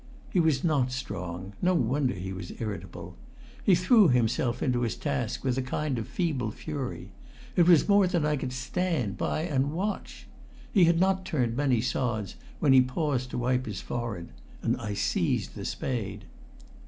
He was not strong; no wonder he was irritable. He threw himself into his task with a kind of feeble fury; it was more than I could stand by and watch. He had not turned many sods when he paused to wipe his forehead, and I seized the spade.